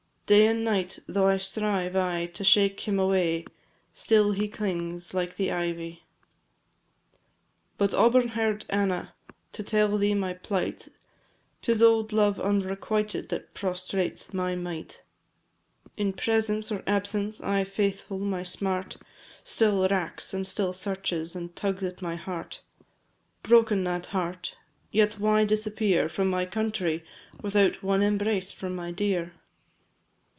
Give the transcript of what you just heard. Day and night, though I strive aye To shake him away, still he clings like the ivy. IV. But, auburn hair'd Anna! to tell thee my plight, 'Tis old love unrequited that prostrates my might, In presence or absence, aye faithful, my smart Still racks, and still searches, and tugs at my heart Broken that heart, yet why disappear From my country, without one embrace from my dear?